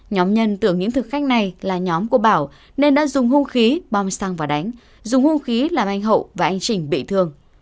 nhóm nhân tưởng những thực khách này là nhóm của bảo nên đã dùng hung khí bom xăng và đánh dùng hung khí làm anh hậu và anh trình bị thương